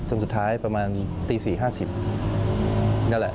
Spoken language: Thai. สุดท้ายประมาณตี๔๕๐นั่นแหละ